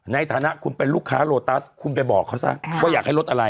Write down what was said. ในฐานะคุณเป็นลูกค้าโลตัสคุณไปบอกเขาซะว่าอยากให้ลดอะไร